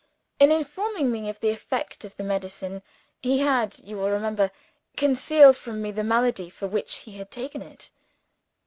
In informing me of the effect of the medicine, he had (you will remember) concealed from me the malady for which he had taken it.